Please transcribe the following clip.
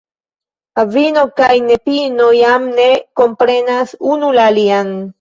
Avino kaj nepino jam ne komprenas unu la alian.